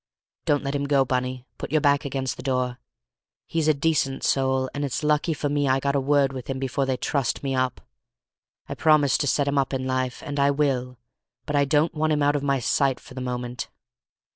Don't let him go, Bunny; put your back against the door. He's a decent soul, and it's lucky for me I got a word with him before they trussed me up. I've promised to set him up in life, and I will, but I don't want him out of my sight for the moment."